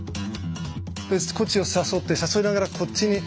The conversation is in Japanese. こっちを誘って誘いながらこっちにこっちにこう。